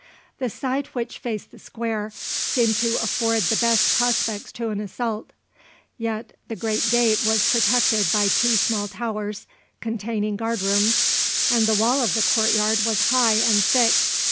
The side which faced the square seemed to afford the best prospects to an assault; yet the great gate was protected by two small towers containing guard rooms, and the wall of the courtyard was high and thick.